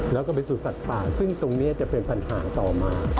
แล้วก็ไปสู่สัตว์ป่าซึ่งตรงนี้จะเป็นปัญหาต่อมา